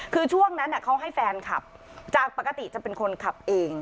คือช่วงนั้นเขาให้แฟนคลับจากปกติจะเป็นคนขับเอง